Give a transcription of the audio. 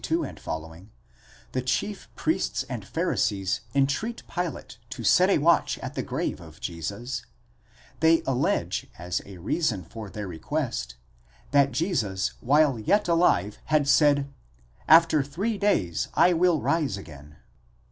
62 ff, the chief priests and Pharisees entreat Pilate to set a watch at the grave of Jesus, they allege as a reason for their request, that Jesus while yet alive had said: After three days I will rise again, pera τρεῖς ἡμέρας ἐγείρομαι.